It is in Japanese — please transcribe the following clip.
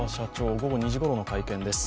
午後２時ごろの会見です。